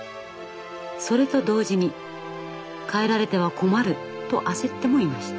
それと同時に帰られては困ると焦ってもいました。